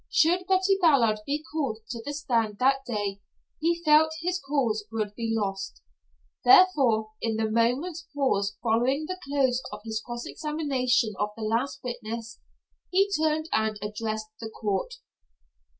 Should Betty Ballard be called to the stand that day he felt his cause would be lost. Therefore, in the moment's pause following the close of his cross examination of the last witness, he turned and addressed the court.